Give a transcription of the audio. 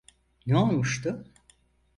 Ne olmuştu?